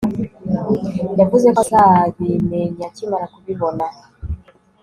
Yavuze ko azabimenya akimara kubibona